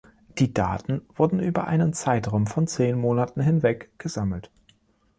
Die Daten wurden über einen Zeitraum von zehn Monaten hinweg gesammelt.